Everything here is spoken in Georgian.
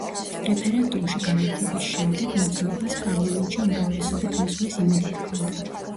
რეფერენდუმში გამარჯვების შემდეგ მოძრაობას პარლამენტში უმრავლესობით მოსვლის იმედი ჰქონდა.